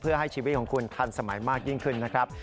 เพื่อให้ชีวิตของคุณทันสมัยมากยิ่งขึ้นนะครับ